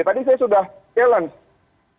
tadi saya sudah challenge